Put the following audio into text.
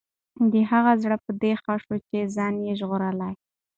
د هغه زړه په دې ښه شو چې ځان یې ژغورلی.